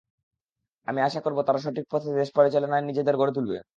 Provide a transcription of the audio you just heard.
আমি আশা করব, তারা সঠিক পথে দেশ পরিচালনায় নিজেদের গড়ে তুলবে।